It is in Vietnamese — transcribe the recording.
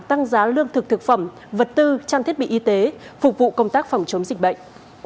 tăng giá lương thực thực phẩm vật tư trang thiết bị y tế phục vụ công tác phòng chống dịch bệnh